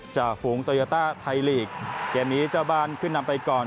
ฝูงโตยาต้าไทยลีกเกมนี้เจ้าบ้านขึ้นนำไปก่อน